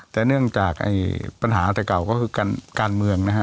แต่เนื่องจากปัญหาเราอาจจะเก่าก็คือ